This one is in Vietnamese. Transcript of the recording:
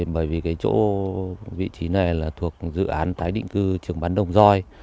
bởi vì cái chỗ vị trí này là thuộc dự án tái định cư trường bán đồng doi